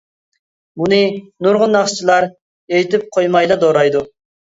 بۇنى نۇرغۇن ناخشىچىلار ئېيتىپ قويمايلا دورايدۇ.